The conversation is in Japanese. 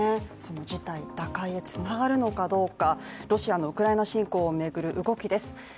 事態打開へつながるのかどうかロシアのウクライナ侵攻を巡る動きです。